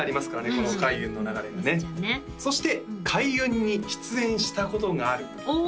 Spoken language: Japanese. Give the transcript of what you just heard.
この開運の流れがねそして開運に出演したことがあるおお